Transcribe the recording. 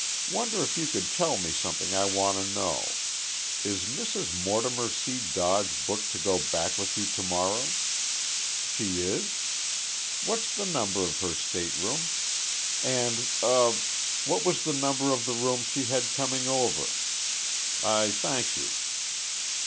Wonder if you could tell me something I want to know is Mrs. Mortimer C. Dodge booked to go back with you to morrow?... She is? What's the number of her stateroom? And er what was the number of the room she had coming over?... I thank you."